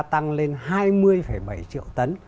tăng lên hai mươi bảy triệu tấn